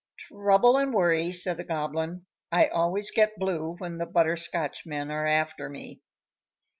"Trouble and worry," said the Goblin. "I always get blue when the Butterscotchmen are after me."